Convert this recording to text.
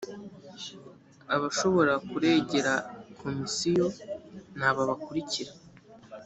abashobora kuregera komisiyo ni aba bakurikira